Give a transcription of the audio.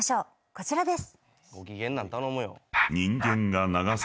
こちらです。